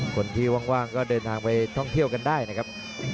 คนที่ว่างก็เดินทางไปท่องเที่ยวกันได้นะครับ